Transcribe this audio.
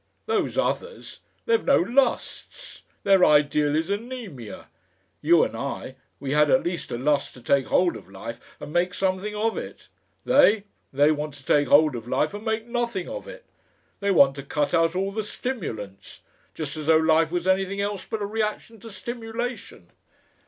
Those others they've no lusts. Their ideal is anaemia. You and I, we had at least a lust to take hold of life and make something of it. They they want to take hold of life and make nothing of it. They want to cut out all the stimulants. Just as though life was anything else but a reaction to stimulation!"...